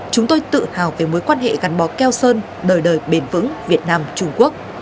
chúng tôi tự hào về mối quan hệ gắn bó keo sơn đời đời bền vững việt nam trung quốc